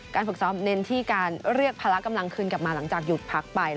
ฝึกซ้อมเน้นที่การเรียกภาระกำลังคืนกลับมาหลังจากหยุดพักไป